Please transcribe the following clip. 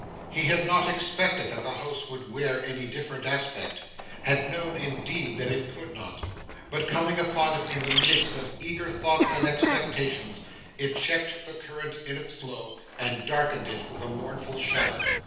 He had not expected that the house would wear any different aspect had known indeed that it could not but coming upon it in the midst of eager thoughts and expectations, it checked the current in its flow, and darkened it with a mournful shadow.